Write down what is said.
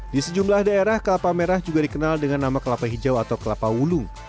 di sejumlah daerah kelapa merah juga dikenal dengan nama kelapa hijau atau kelapa wulung